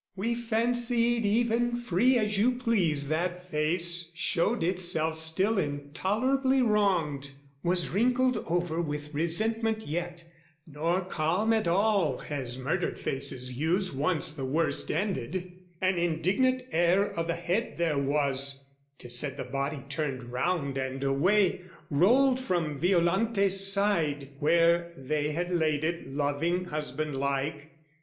We fancied even, free as you please, that face Showed itself still intolerably wronged; Was wrinkled over with resentment yet, Nor calm at all, as murdered faces use, Once the worst ended: an indignant air O' the head there was ' tis said the body turned Round and away, rolled from Violante's side Where they had laid it loving husband like.